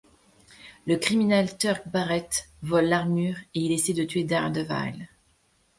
Le criminel Turk Barrett vole l'armure et il essai de tuer Daredevil.